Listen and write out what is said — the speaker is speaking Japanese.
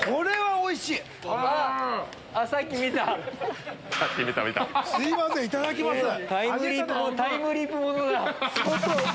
これはおいしいですよ。